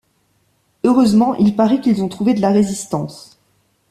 Heureusement il paraît qu’ils ont trouvé de la résistance.